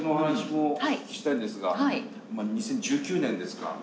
２０１９年ですか。